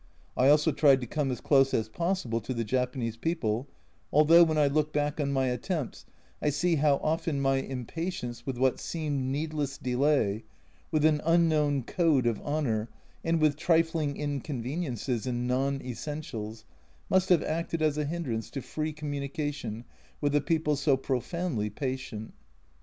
I also tried to come as close as possible to the Japanese people, although when I look back on my attempts I see how often my impatience with xi xii A Journal from Japan what seemed needless delay, with an unknown code of honour, and with trifling inconveniences in non essentials, must have acted as a hindrance to free communication with a people so profoundly patient.